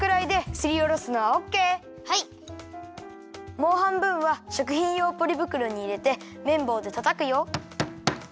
もうはんぶんはしょくひんようポリぶくろにいれてめんぼうでたたくよ。